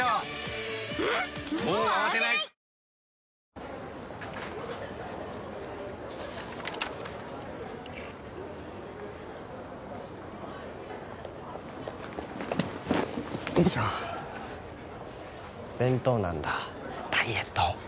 ニトリよいしょ弁当なんだダイエット？